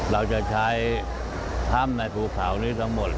เราจะใช้ถ้ำในภูเขานี้ทั้งหมด